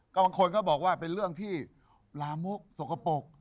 ก็บางคนก็บอกว่าเป็นเรื่องที่ลามกสกปรก